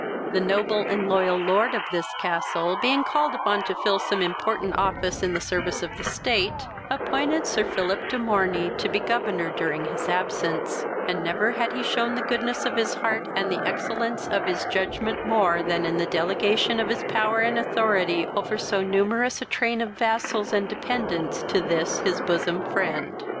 The noble and loyal lord of this castle, being called upon to fill some important office in the service of the state, appointed Sir Philip de Morney to be governor during his absence, and never had he shewn the goodness of his heart and the excellence of his judgment more than in the delegation of his power and authority over so numerous a train of vassals and dependents to this his bosom friend.